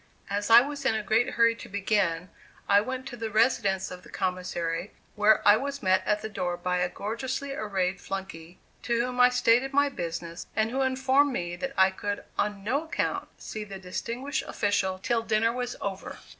As I was in a great hurry to begin, I went to the residence of the Commissary, where I was met at the door by a gorgeously arrayed flunkey, to whom I stated my business, and who informed me that I could on no account see the distinguished official till dinner was over.